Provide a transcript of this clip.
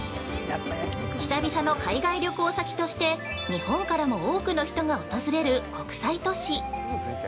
久々の海外旅行先として日本からも多くの人が訪れる国際都市。